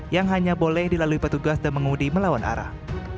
yang hanya boleh dilalui petugas dan mengundi melawan arah